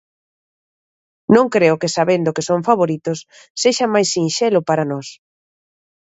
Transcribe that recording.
Non creo que sabendo que son favoritos sexa máis sinxelo para nós.